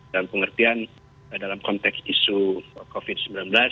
dan pengertian dalam konteks isu covid sembilan belas